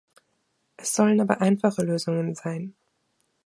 Es sollen aber einfache Lösungen sein.